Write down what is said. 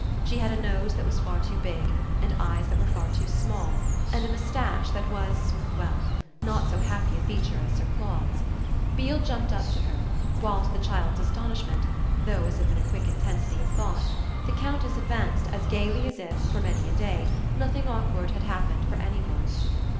She had a nose that was far too big and eyes that were far too small and a moustache that was, well, not so happy a feature as Sir Claude's. Beale jumped up to her; while, to the child's astonishment, though as if in a quick intensity of thought, the Countess advanced as gaily as if, for many a day, nothing awkward had happened for any one.